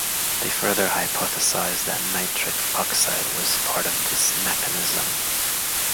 They further hypothesized that nitric oxide was part of this mechanism.